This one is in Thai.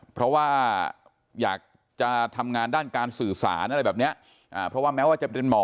เพราะว่าอยากจะทำงานด้านการสื่อสารอะไรแบบเนี้ยอ่าเพราะว่าแม้ว่าจะเป็นหมอ